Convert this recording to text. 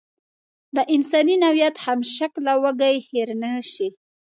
د انساني نوعیت همشکله وږی هېر نشي.